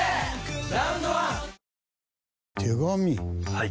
はい。